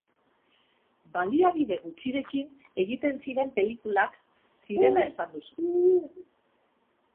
Baliabide gutxirekin egiten ziren pelikulak zirela esan duzu.